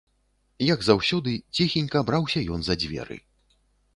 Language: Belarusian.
Як заўсёды, ціхенька браўся ён за дзверы.